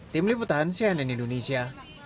tim liputan cnn indonesia